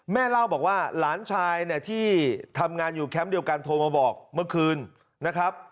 เล่าบอกว่าหลานชายเนี่ยที่ทำงานอยู่แคมป์เดียวกันโทรมาบอกเมื่อคืนนะครับ